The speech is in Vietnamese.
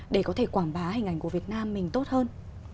để có thể quảng bá hình ảnh của việt nam mình tốt hơn